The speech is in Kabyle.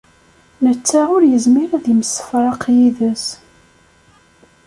Netta ur yezmir ad yemsefraq yid-s.